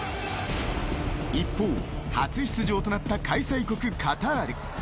一方、初出場となった開催国・カタール。